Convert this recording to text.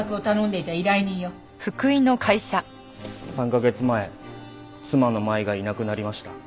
３カ月前妻の真衣がいなくなりました。